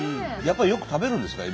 やっぱりよく食べるんですか？